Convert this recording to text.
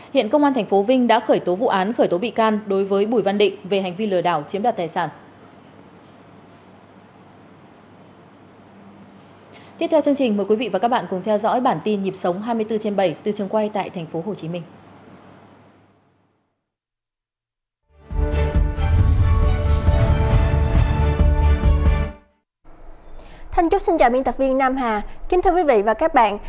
hiện công an thành phố vinh đã khởi tố vụ án khởi tố bị can đối với bùi văn định về hành vi lừa đảo chiếm đoạt tài sản